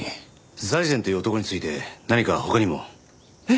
財前という男について何か他にも？えっ？